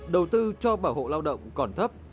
đầu tư cho bảo hộ lao động còn thấp